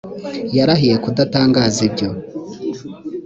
yarahiye kudatangaza ibyo